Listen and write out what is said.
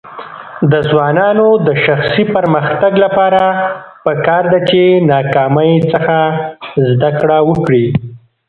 د ځوانانو د شخصي پرمختګ لپاره پکار ده چې ناکامۍ څخه زده کړه وکړي.